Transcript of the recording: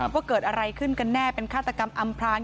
ว่าเกิดอะไรขึ้นกันแน่เป็นฆาตกรรมอำพลาง